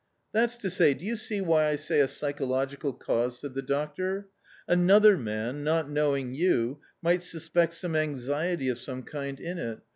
" That's to say, do you see why I say a psychological cause?" said the doctor. "Another man, not knowing you, might suspect some anxiety of some kind in it